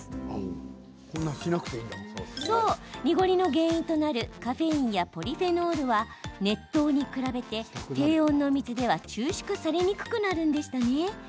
そう、濁りの原因となるカフェインやポリフェノールは熱湯に比べて低温の水では抽出されにくくなるんでしたね。